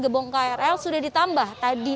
gerbong krl sudah ditambah